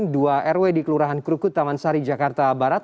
dua rw di kelurahan krukut taman sari jakarta barat